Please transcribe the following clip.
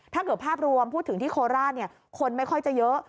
ถ้าเกิดภาพรวมพูดถึงที่โคราชเนี่ยคนไม่ค่อยจะเยอะ